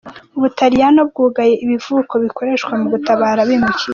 Ubutaliyano bwugaye ibivuko bikoreshwa mu gutabara abimukira.